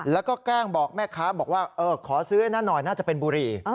แล้วก็แกล้งบอกแม่ค้าบอกว่าขอซื้อไอ้นั่นหน่อยน่าจะเป็นบุหรี่